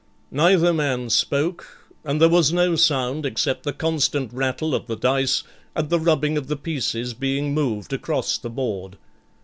Neither man spoke, and there was no sound except the constant rattle of the dice, and the rubbing of the pieces being moved across the board.